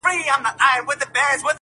پنیر د تاریخي خواړو ډول دی.